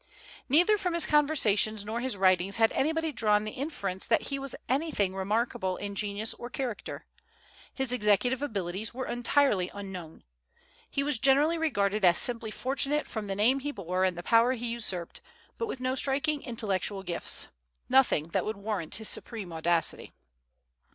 Neither from his conversations nor his writings had anybody drawn the inference that he was anything remarkable in genius or character. His executive abilities were entirely unknown. He was generally regarded as simply fortunate from the name he bore and the power he usurped, but with no striking intellectual gifts, nothing that would warrant his supreme audacity.